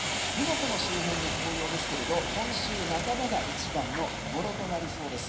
湖の周辺の紅葉ですけれど今週半ばが一番の見頃となりそうです。